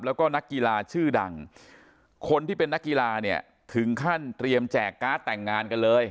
แล้วก็นักกีฬาชื่อดังคนที่เป็นนักกีฬาเนี่ยถึงขั้นเตรียมแจกการ์ดแต่งงานกันเลย